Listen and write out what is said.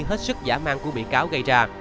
hết sức giả mang của vị cáo gây ra